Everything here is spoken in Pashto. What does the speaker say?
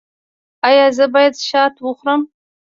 ایا زه باید شات وخورم؟